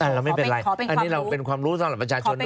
เราไม่เป็นไรอันนี้เราเป็นความรู้สำหรับประชาชนนะ